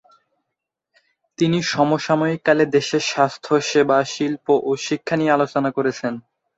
তিনি সমসাময়িক কালে দেশের স্বাস্থ্য, সেবা, শিল্প ও শিক্ষা নিয়ে আলোচনা করেছেন।